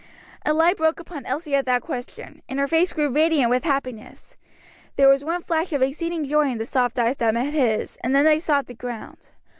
A light broke upon Elsie at that question, and her face grew radiant with happiness; there was one flash of exceeding joy in the soft eyes that met his, and then they sought the ground.